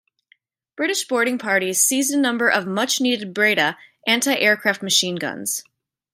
British boarding parties seized a number of much-needed Breda anti-aircraft machine guns.